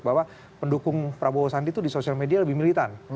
bahwa pendukung prabowo sandi itu di sosial media lebih militan